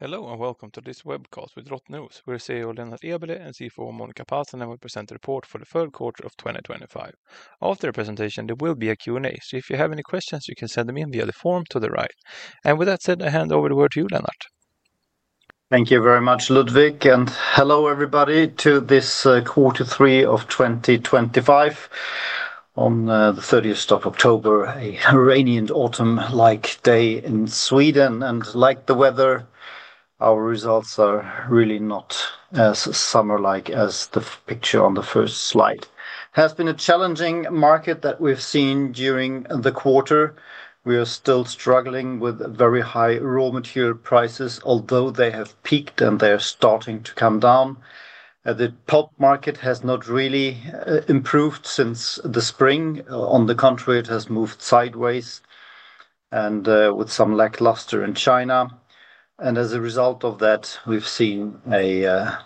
Hello and welcome to this webcast with Rottneros. We're CEO Lennart Eberleh and CFO Monica Pasanen, and we present the report for the third quarter of 2025. After the presentation, there will be a Q&A. If you have any questions, you can send them in via the form to the right. With that said, I hand over the word to you, Lennart. Thank you very much, Ludwig. Hello everybody to this quarter 3 of 2025 on the 30th of October, a rainy and autumn-like day in Sweden. Like the weather, our results are really not as summer-like as the picture on the first slide. It has been a challenging market that we've seen during the quarter. We are still struggling with very high raw material prices, although they have peaked and they're starting to come down. The pulp market has not really improved since the spring. On the contrary, it has moved sideways with some lackluster in China. As a result of that, we've seen a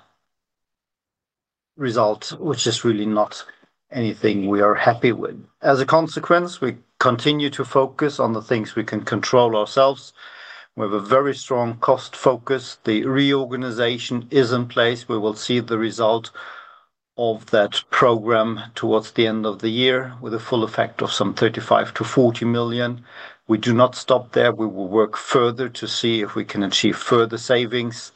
result which is really not anything we are happy with. As a consequence, we continue to focus on the things we can control ourselves. We have a very strong cost focus. The reorganization is in place. We will see the result of that program towards the end of the year with a full effect of some 35 million-40 million. We do not stop there. We will work further to see if we can achieve further savings.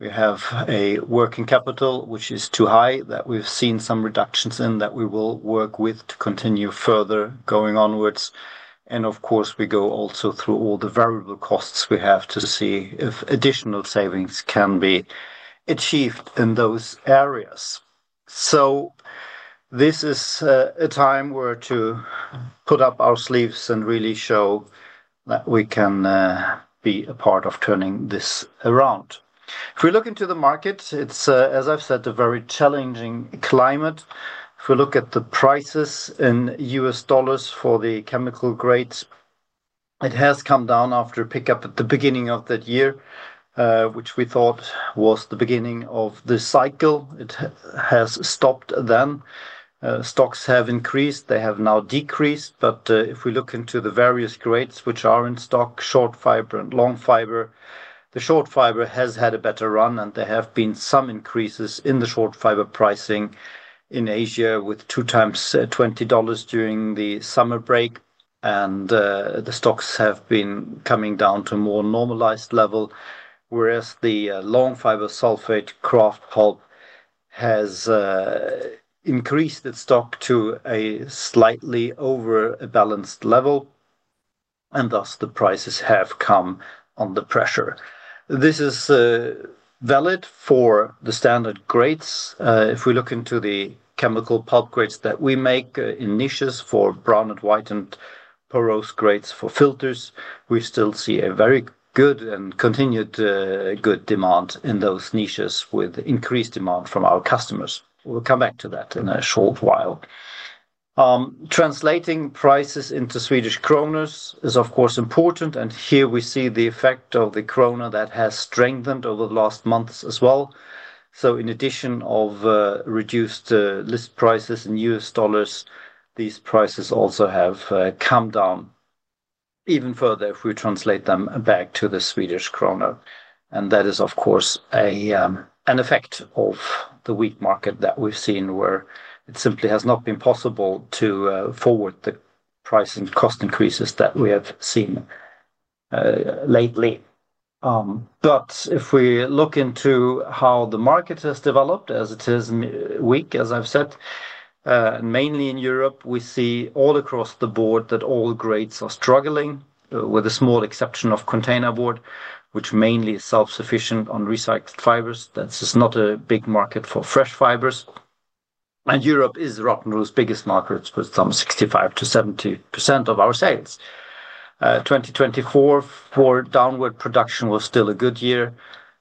We have a working capital which is too high. We've seen some reductions in that, and we will work to continue further going onwards. Of course, we go also through all the variable costs. We have to see if additional savings can be achieved in those areas. This is a time to put up our sleeves and really show that we can be a part of turning this around. If we look into the market, it's as I've said, a very challenging climate. If we look at the prices in US dollars for the chemical grades, it has come down after a pickup at the beginning of that year, which we thought was the beginning of the cycle. It has stopped then. Stocks have increased, they have now decreased. If we look into the various grades which are in stock, short fiber and fiber, the short fiber has had a better run. There have been some increases in the short fiber pricing in Asia with 2x $20 during the summer break. The stocks have been coming down to more normalized level. Whereas the long fiber sulphate pulp has increased its stock to a slightly over a balanced level and thus the prices have come under pressure. This is valid for the standard grades. If we look into the chemical pulp grades that we make in niches for brown and white and porous grades for filters, we still see a very good and continued good demand in those niches with increased demand from our customers. We'll come back to that in a short while. Translating prices into Swedish Kronor is of course important. Here we see the effect of the krona that has strengthened over the last months as well. In addition to reduced list prices in U.S. dollars, these prices also have come down even further if we translate them back to the Swedish krona. That is of course an effect of the weak market that we've seen, where it simply has not been possible to forward the price and cost increases that we have seen lately. If we look into how the market has developed as it is weak, as I've said mainly in Europe, we see all across the board that all grades are struggling, with a small exception of container board, which mainly is self-sufficient on recycled fibers. That's just not a big market for fresh fibers. Europe is Rottneros' biggest market with some 65%-70% of our sales. 2024 for downward production was still a good year,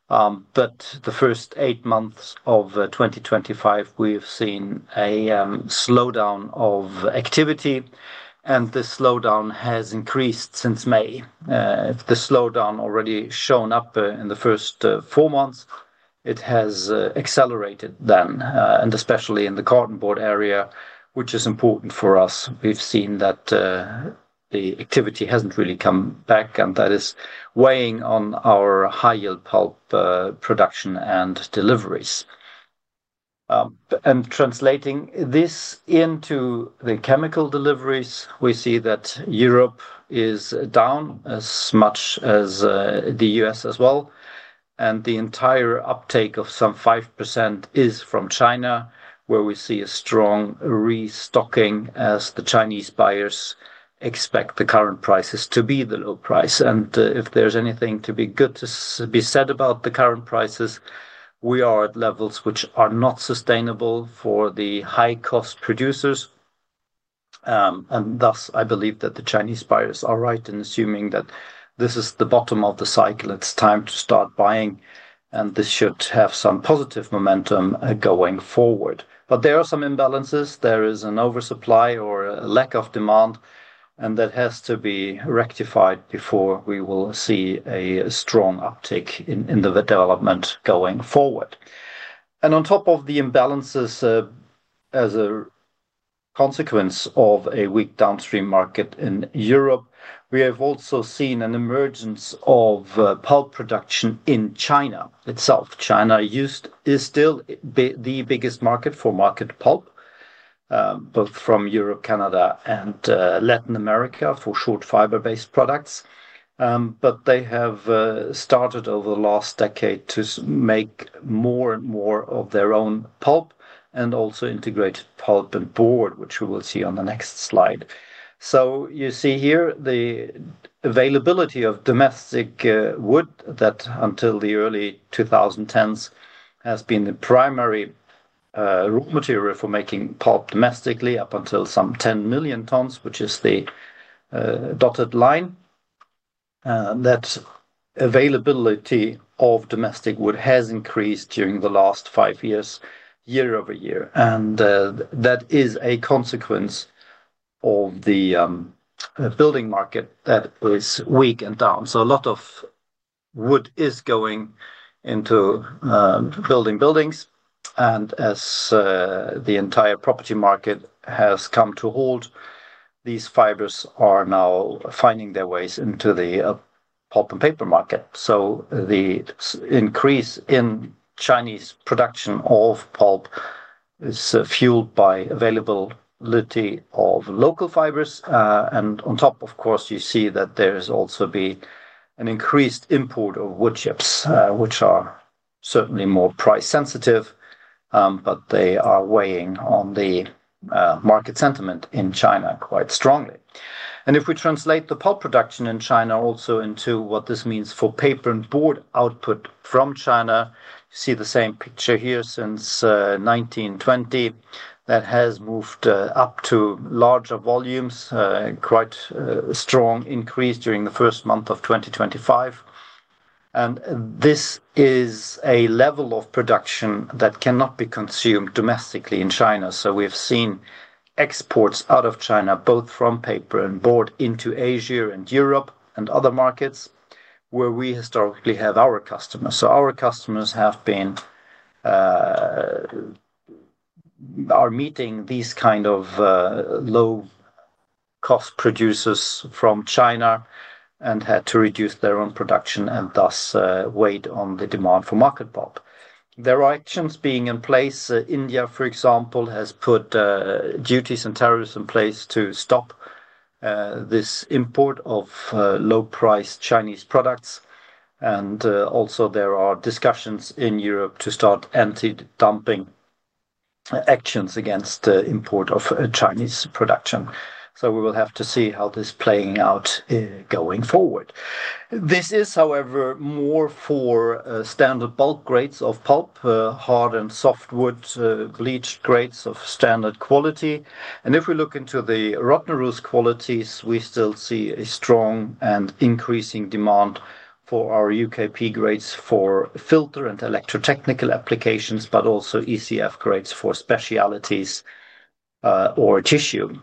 but the first eight months of 2025 we've seen a slowdown of activity. This slowdown has increased since May. The slowdown already showed up in the first four months. It has accelerated then, especially in the carton board area, which is important for us. We've seen that the activity hasn't really come back, and that is weighing on our high yield pulp production and deliveries. Translating this into the chemical deliveries, we see that Europe is down as much as the U.S. as well. The entire uptake of some 5% is from China, where we see a strong restocking as the Chinese buyers expect the current prices to be the low price. If there's anything to be good to be said about the current prices, we are at levels which are not sustainable for the high cost producers. Thus, I believe that the Chinese buyers are right in assuming that this is the bottom of the cycle. It's time to start buying and this should have some positive momentum going forward. There are some imbalances. There is an oversupply or lack of demand and that has to be rectified before we will see a strong uptick in the development going forward. On top of the imbalances as a consequence of a weak downstream market in Europe, we have also seen an emergence of pulp production in China itself. China is still the biggest market for market pulp, both from Europe, Canada, and Latin America for short fiber based products. They have started over the last decade to make more and more of their own pulp and also integrated pulp and board, which we will see on the next slide. You see here the availability of domestic wood that until the early 2010s has been primary raw material for making pulp domestically up until some 10 million tons, which is the dotted line. The availability of domestic wood has increased during the last five years, year over year. That is a consequence of the building market that is weak and down. A lot of wood is going into building buildings. As the entire property market has come to a halt, these fibers are now finding their ways into the pulp and paper market. The increase in Chinese production of pulp is fueled by availability of local fibers. On top of that, you see that there has also been an increased import of wood chips, which are certainly more price sensitive, but they are weighing on the market sentiment in China quite strongly. If we translate the pulp production in China also into what this means for paper and board output from China, you see the same picture here since 1920 that has moved up to larger volumes, quite strong increase during the first months of 2025. This is a level of production that cannot be consumed domestically in China. We've seen exports out of China, both from paper and board into Asia and Europe and other markets where we historically have our customers. Our customers have been meeting these kind of low cost producers from China and had to reduce their own production and thus weighed on the demand for market pulp. There are actions being in place. India, for example, has put duties and tariffs in place to stop this import of low priced Chinese products. There are also discussions in Europe to start anti-dumping actions against import of Chinese production. We will have to see how this is playing out going forward. This is, however, more for standard bulk grades of pulp, hard and softwood, bleached grades of standard quality. If we look into the Rottneros qualities, we still see a strong and increasing demand for our UKP grades for filter and electrotechnical applications, but also ECF grades for specialities or tissue,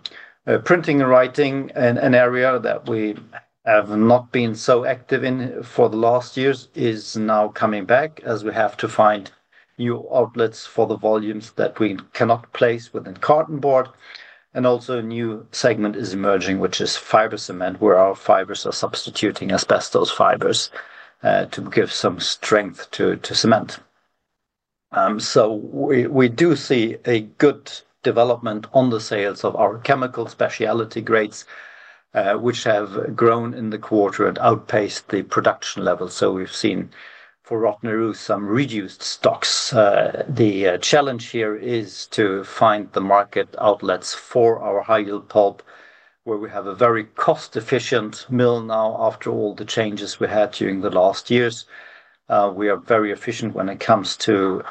printing and writing. An area that we have not been so active in for the last years is now coming back as we have to find new outlets for the volumes that we cannot place within carton board. A new segment is emerging, which is fiber cement, where our fibers are substituting asbestos fibers to give some strength to cement. We do see a good development on the sales of our chemical specialty grades, which have grown in the quarter and outpaced the production level. We've seen for Rottneros some reduced stocks. The challenge here is to find the market outlets for our high yield pulp, where we have a very cost efficient mill. Now, after all the changes we had during the last years, we are very efficient when it comes to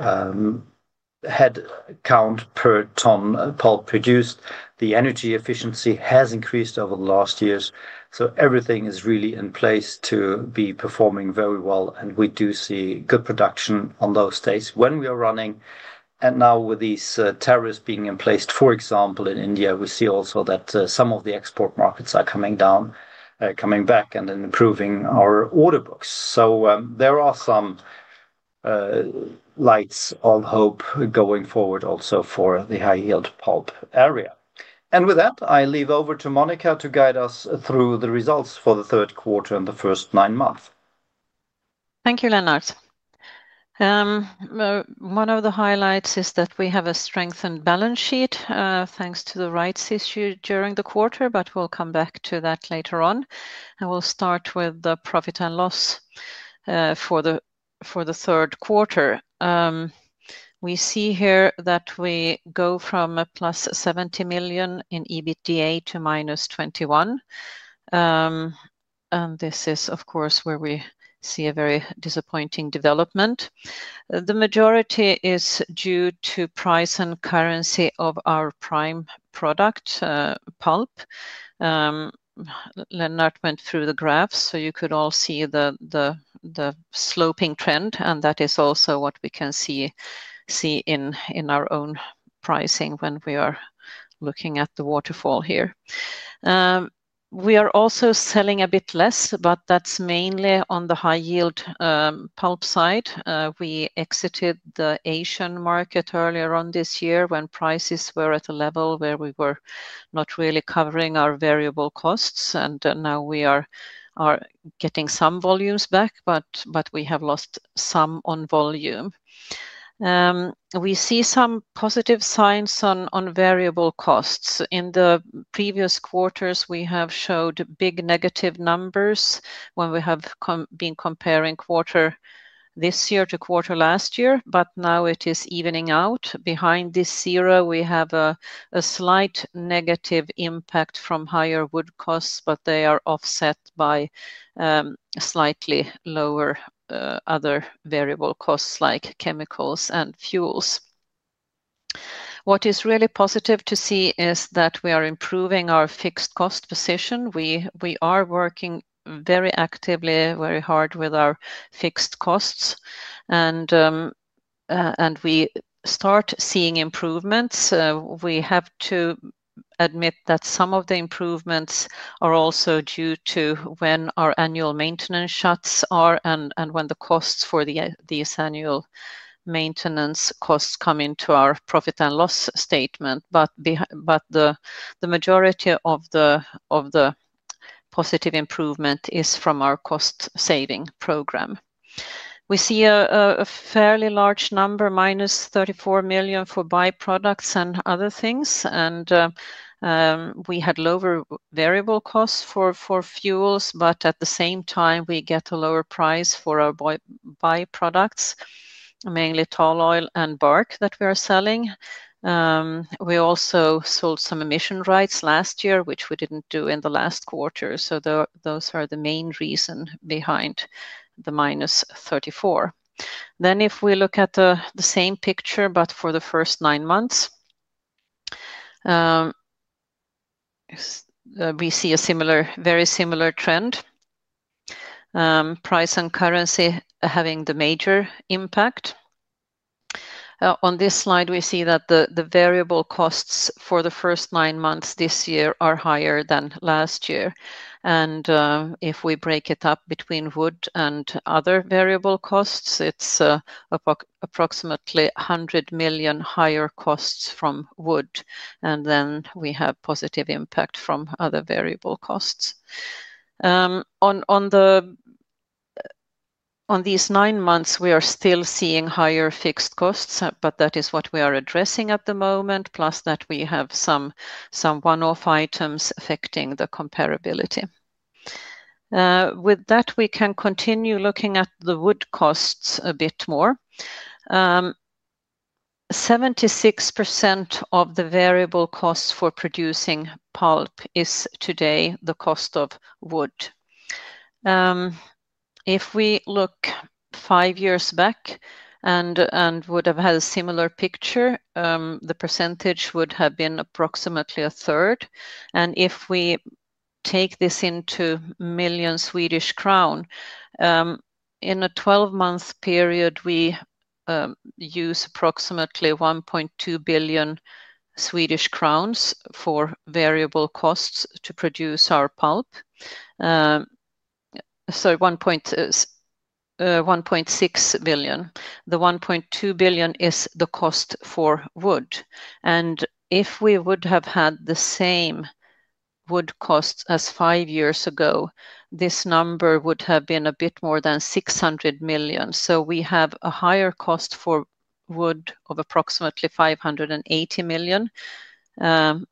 head count per tonne pulp produced. The energy efficiency has increased over the last years, so everything is really in place to be performing very well. We do see good production on those days when we are running. Now with these tariffs being in place, for example in India, we see also that some of the export markets are coming down, coming back, and then improving our order books. There are some lights of hope going forward also for the high yield pulp area. With that, I leave over to Monica to guide us through the results for the third quarter and the first nine months. Thank you, Lennart. One of the highlights is that we have a strengthened balance sheet thanks to the rights issue during the quarter. We'll come back to that later on and we'll start with the profit and loss for the third quarter. We see here that we go from +70 million in EBITDA to -20 million. This is of course where we see a very disappointing development. The majority is due to price and currency of our prime product pulp. Lennart went through the graphs so you could all see the sloping trend. That is also what we can see in our own pricing when we are looking at the waterfall. Here we are also selling a bit less, but that's mainly on the high yield pulp side. We exited the Asian market earlier on this year when prices were at a level where we were not really covering our variable costs. Now we are getting some volumes back, but we have lost some on volume. We see some positive signs on variable costs. In the previous quarters we have showed big negative numbers when we have been comparing quarter this year to quarter last year. Now it is evening out behind this zero. We have a slight negative impact from higher wood costs, but they are offset by slightly lower other variable costs like chemicals and fuels. What is really positive to see is that we are improving our fixed cost position. We are working very actively, very hard with our fixed costs and we start seeing improvements. We have to admit that some of the improvements are also due to when our annual maintenance shuts are and when the costs for these annual maintenance costs come into our profit and loss statement. The majority of the positive improvement is from our cost saving program. We see a fairly large number, -34 million for byproducts and other things. We had lower variable costs for fuels, but at the same time we get a lower price for our byproducts, mainly tall oil and bark that we are selling. We also sold some emission allowances last year which we didn't do in the last quarter. Those are the main reason behind the - 34 million. If we look at the same picture, but for the first nine months we see a similar, very similar trend. Price and currency having the major impact on this slide. We see that the variable costs for the first nine months this year are higher than last year. If we break it up between wood and other variable costs, it's approximately 100 million higher costs from wood. We have positive impact from other variable costs. On these nine months we are still seeing higher fixed costs, but that is what we are addressing at the moment. Plus we have some one-off items affecting the comparability. With that, we can continue looking at the wood costs a bit more. 76% of the variable cost for producing pulp is today the cost of wood. If we look five years back and would have had a similar picture, the percentage would have been approximately a third. If we take this into million Swedish crowns in a 12-month period, we use approximately 1.2 billion Swedish crowns for variable costs to produce our pulp. 1.6 billion. The 1.2 billion is the cost for wood. If we would have had the same wood costs as five years ago, this number would have been a bit more than 600 million. We have a higher cost for wood of approximately 580 million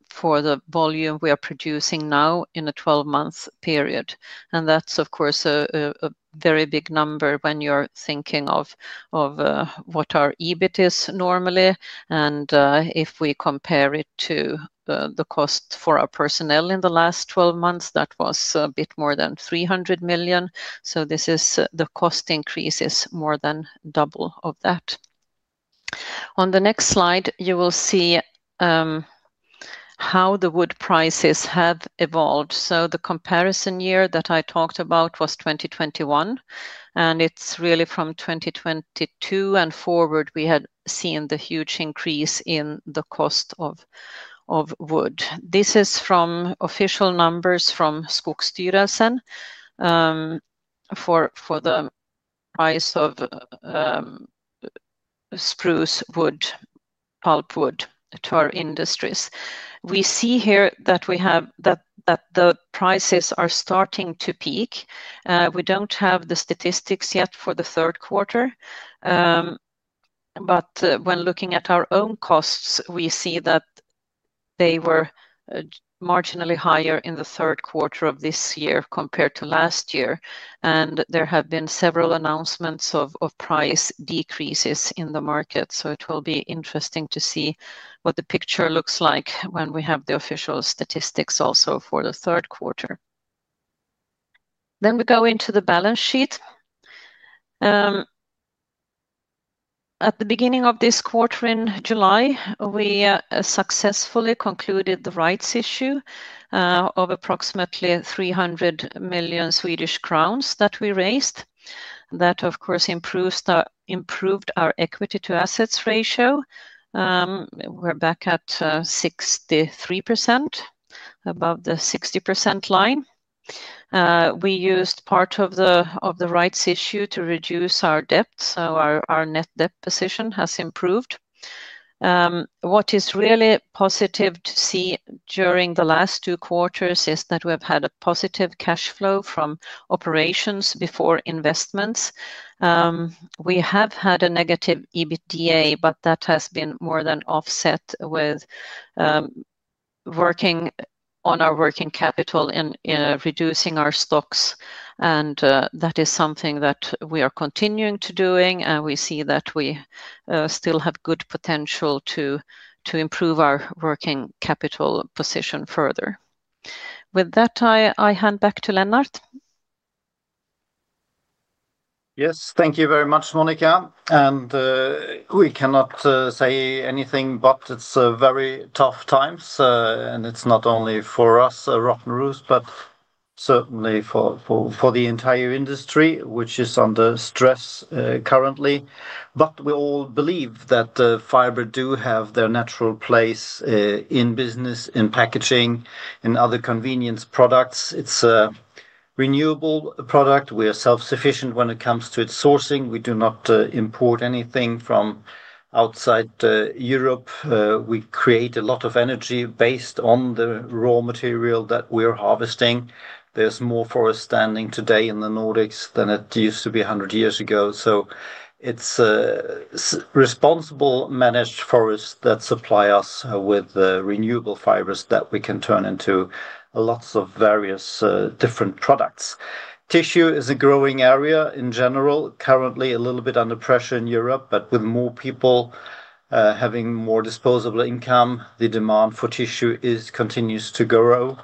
for the volume we are producing now in a 12-month period. That is of course a very big number when you're thinking of what our EBIT is normally. If we compare it to the cost for our personnel in the last 12 months, that was a bit more than 300 million. This cost increase is more than double that. On the next slide, you will see how the wood prices have evolved. The comparison year that I talked about was 2021, and it's really from 2022 and forward. We had seen the huge increase in the cost of wood. This is from official numbers from Skogsstyrelsen for the price of spruce wood pulpwood to our industries. We see here that the prices are starting to peak. We don't have the statistics yet for the third quarter, but when looking at our own costs, we see that they were marginally higher in the third quarter of this year compared to last year. There have been several announcements of price decreases in the market. It will be interesting to see what the picture looks like when we have the official statistics also for the third quarter. We go into the balance sheet. At the beginning of this quarter in July, we successfully concluded the rights issue of approximately 300 million Swedish crowns that we raised. That of course improved our equity-to-assets ratio. We're back at 63% above the 60% line. We used part of the rights issue to reduce our debt, so our net debt position has improved. What is really positive to see during the last two quarters is that we have had a positive cash flow from operations before investments. We have had a negative EBITDA, but that has been more than offset with working on our working capital in reducing our stocks. That is something that we are continuing to do, and we see that we still have good potential to improve our working capital position further. With that, I hand back to Lennart. Yes, thank you very much, Monica. We cannot say anything, but it's very tough times and it's for us Rottneros, but certainly for the entire industry which is under stress currently. We all believe that fiber does have its natural place in business, in packaging and other convenience products. It's a renewable product. We are self-sufficient when it comes to its sourcing. We do not import anything from outside Europe. We create a lot of energy based on the raw material that we are harvesting. There's more forest standing today in the Nordics than there used to be 100 years ago. It's responsibly managed forests that supply us with renewable fibers that we can turn into lots of various different products. Tissue is a growing area in general, currently a little bit under pressure in Europe. With more people having more disposable income, the demand for tissue continues to grow.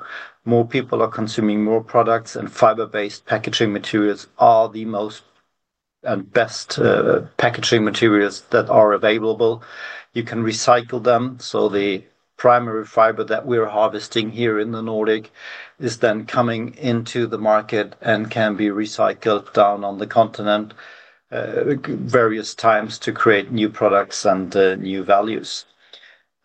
More people are consuming more products and fiber-based packaging materials are the most and best packaging materials that are available. You can recycle them. The primary fiber that we're harvesting here in the Nordic is then coming into the market and can be recycled down on the continent various times to create new products and new values.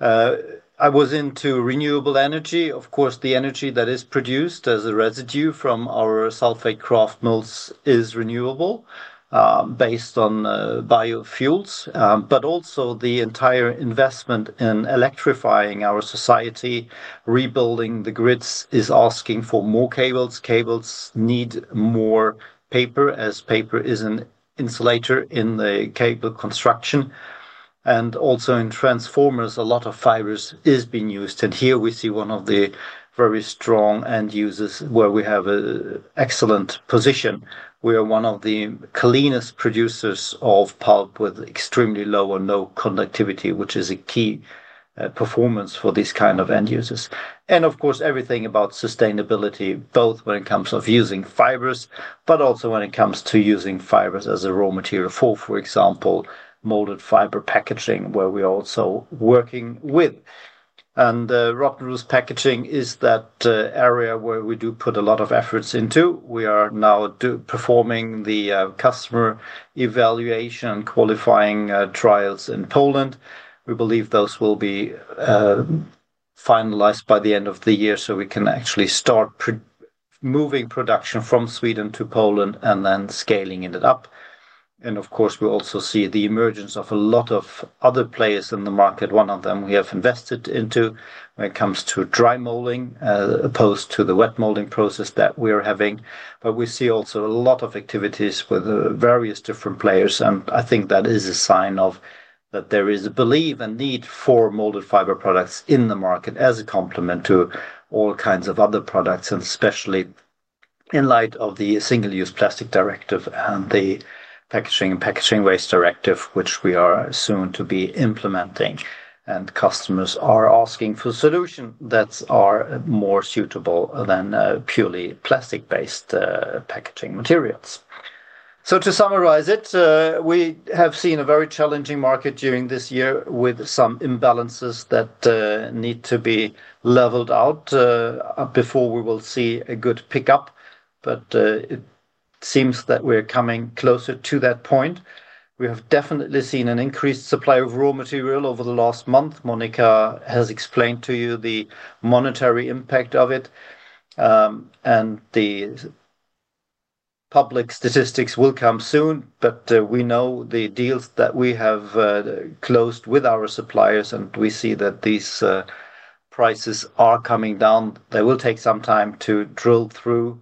I was into renewable energy, of course. The energy that is produced as a residue from our sulphate pulp mills is renewable, based on biofuels. The entire investment in electrifying our society, rebuilding the grids, is asking for more cables. Cables need more paper, as paper is an insulator in the cable construction and also in transformers. A lot of fibers is being used. Here we see one of the very strong end users where we have an excellent position. We are one of the cleanest producers of pulp with extremely low or no conductivity, which is a key performance for these kind of end users. Everything about sustainability, both when it comes to using fibers, but also when it comes to using fibers as a raw material. For example, molded fiber packaging, where we are also working with and Rottneros Packaging is that area where we do put a lot of efforts into. We are now performing the customer evaluation qualifying trials in Poland. We believe those will be finalized by the end of the year. We can actually start moving production from Sweden to Poland and then scaling it up. We also see the emergence of a lot of other players in the market. One of them we have invested into when it comes to dry molding, opposed to the wet molding process that we are having. We see also a lot of activities with various different players. I think that is a sign of that. There is a belief and need for molded fiber products in the market as a complement to all kinds of other products, especially in light of the single use plastic directive and the Packaging and Packaging Waste Directive which we are soon to be implementing. Customers are asking for solutions that are more suitable than purely plastic-based packaging materials. To summarize it, we have seen a very challenging market during this year with some imbalances that need to be leveled out before we will see a good pickup. It seems that we're coming closer to that point. We have definitely seen an increased supply of raw material over the last month. Monica has explained to you the monetary impact of it and the public statistics will come soon. We know the deals that we have closed with our suppliers and we see that these prices are coming down. They will take some time to drill through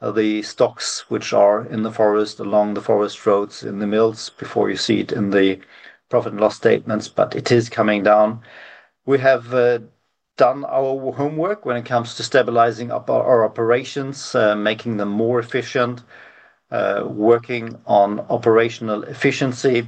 the stocks which are in the forest, along the forest roads, in the mills, before you see it in the profit and loss statements. It is coming down. We have done our homework when it comes to stabilizing our operations, making them more efficient, working on operational efficiency,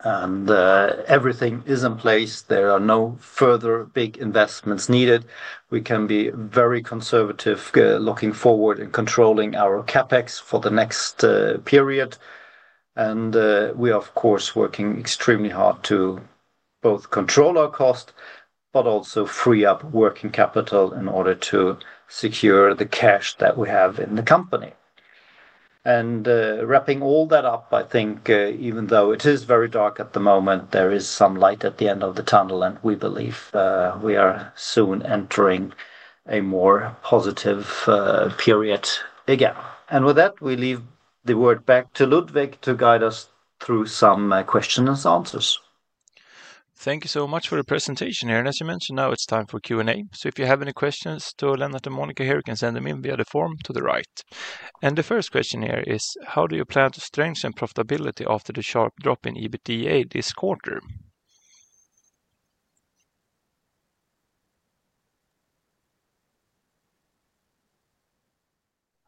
and everything is in place. There are no further big investments needed. We can be very conservative looking forward in controlling our CapEx for the next period. We are of course working extremely hard to both control our cost, but also free up working capital in order to secure the cash that we have in the company and wrapping all that up. I think even though it is very dark at the moment, there is some light at the end of the tunnel and we believe we are soon entering a more positive period again. With that, we leave the word back to Ludwig to guide us through some questions and answers. Thank you so much for the presentation here. As you mentioned, now it's time for Q&A. If you have any questions to Lennart and Monica here, you can send them in via the form to the right. The first question here is, how do you strengthen profitability after the sharp drop in EBITDA this quarter?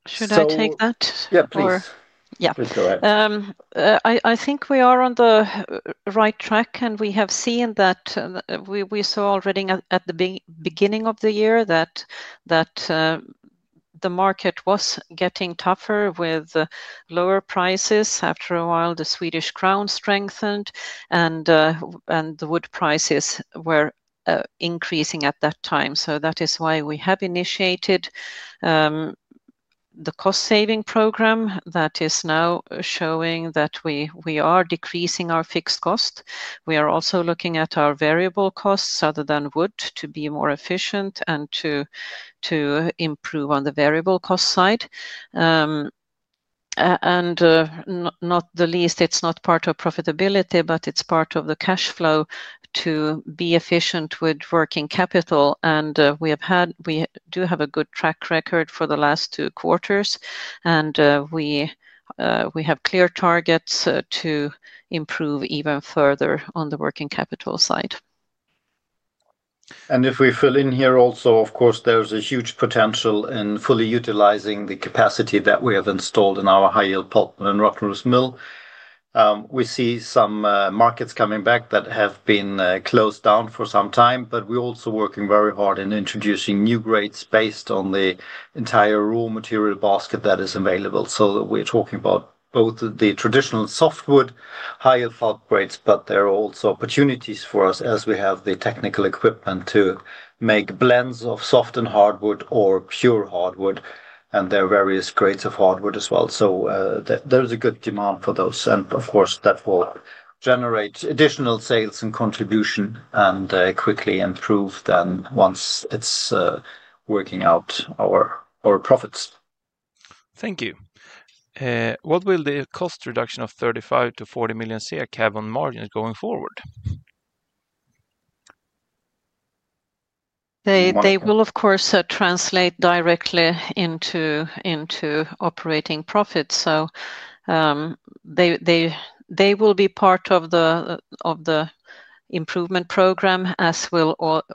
Should I take that? Yeah, please, go ahead. I think we are on the right track and we have seen that. We saw already at the beginning of the year that the market was getting tougher with lower prices. After a while, the Swedish krona strengthened and the wood prices were increasing at that time. That is why we have initiated the cost saving program that is now showing that we are decreasing our fixed cost. We are also looking at our variable costs other than wood to be more efficient and to improve on the variable cost side. Not the least, it's not part of profitability, but it's part of the cash flow to be efficient with working capital. We have had, we do have a good track record for the last two quarters and we have clear targets to improve even further on the working capital side. If we fill in here also, of course, there's a huge potential in fully utilizing the capacity that we have installed in our high yield pulp in Rottneros Mill. We see some markets coming back that have been closed down for some time, but we're also working very hard in introducing new grades based on the entire raw material basket that is available. We're talking about both the traditional softwood high alpha grades. There are also opportunities for us as we have the technical equipment to make blends of softwood and hardwood or pure hardwood, and there are various grades of hardwood as well. There's a good demand for those. That will generate additional sales and contribution and quickly improve then once it's working out our profits. Thank you. What will the cost reduction of 35 million-40 million have on margins going forward? They will of course translate directly into operating profit. They will be part of the improvement program, as will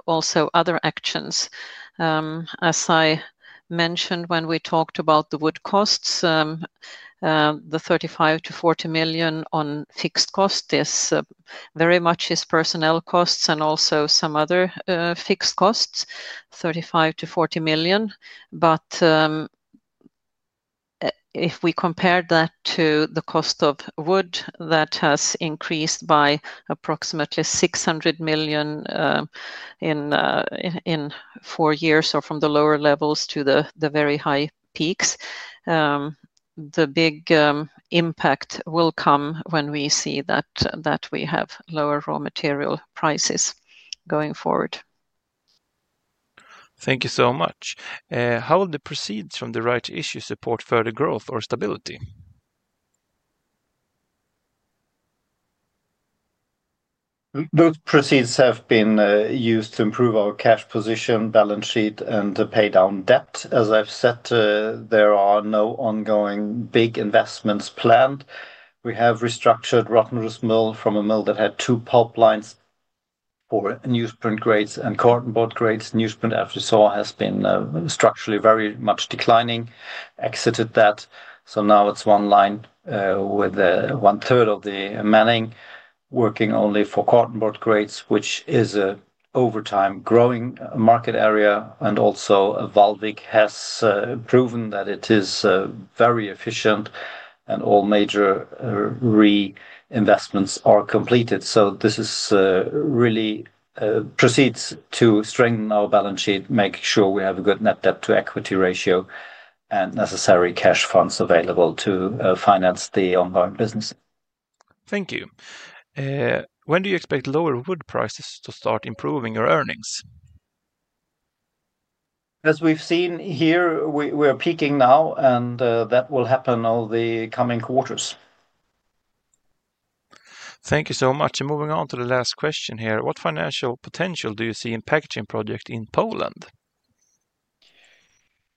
also other actions. As I mentioned when we talked about the wood costs, the 35 million-40 million on fixed cost is very much personnel costs and also some other fixed costs, 35 million-40 million. If we compare that to the cost of wood that has increased by approximately 600 million in four years, or from the lower levels to the very high peaks, the biggest impact will come when we see that we have lower raw material prices going forward. Thank you so much. How will the proceeds from the rights issue support further growth or stability? Those proceeds have been used to improve our cash position, balance sheet, and pay down debt. As I've said, there are no ongoing big investments planned. We have restructured Rottneros Mill from a mill that had two pulp lines for newsprint grades and carton board grades. Newsprint, as you saw, has been structurally very much declining, exited that. Now it's one line with one third of the manning working only for carton board grades, which is an overtime growing market area. Vallvik has proven that it is very efficient, and all major RE investments are completed. This really proceeds to strengthen our balance sheet, make sure we have a good net debt to equity ratio, and necessary cash funds available to finance the ongoing business. Thank you. When do you expect lower wood prices to start improving your earnings? As we've seen here, we are peaking now, and that will happen over the coming quarters. Thank you so much. Moving on to the last question here, what financial potential do you see in the packaging project in Poland?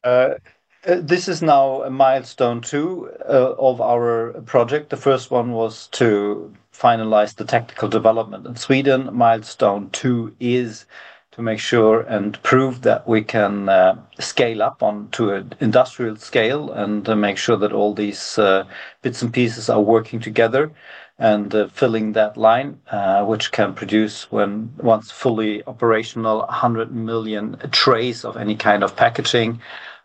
This is now a milestone two of our project. The first one was to finalize the technical development in Sweden. Milestone two is to make sure and prove that we can scale up on to an industrial scale and make sure that all these bits and pieces are working together and filling that line, which can produce, when once fully operational, 100 million trays of any kind of packaging.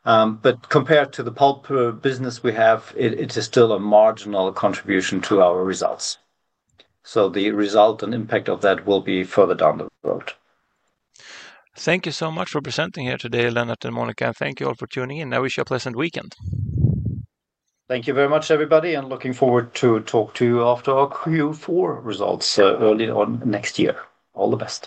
Compared to the pulp business we have, it is still a marginal contribution to our results. The result and impact of that will be further down the road. Thank you so much for presenting here today, Lennart and Monica. Thank you all for tuning in. I wish you a pleasant weekend. Thank you very much everybody, and looking forward to talk to you after our Q4 results early on next year. All the best.